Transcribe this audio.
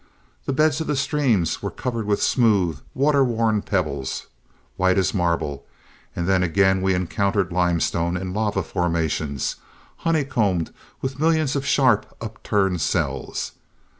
The beds of the streams were covered with smooth, water worn pebbles, white as marble, and then again we encountered limestone in lava formation, honeycombed with millions of sharp, up turned cells.